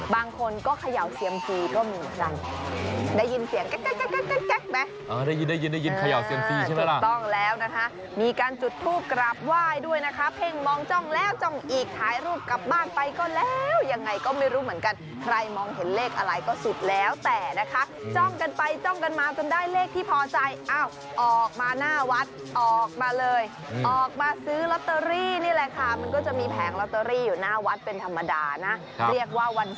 บางคนก็ขย่าวเซียมซีก็มีได้ยินเสียงแก๊กแก๊กแก๊กแก๊กแก๊กแก๊กแก๊กแก๊กแก๊กแก๊กแก๊กแก๊กแก๊กแก๊กแก๊กแก๊กแก๊กแก๊กแก๊กแก๊กแก๊กแก๊กแก๊กแก๊กแก๊กแก๊กแก๊ก